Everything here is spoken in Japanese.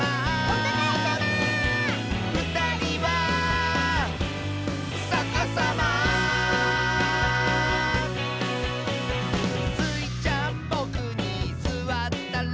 「おたがいさま」「ふたりはさかさま」「スイちゃんボクにすわったら」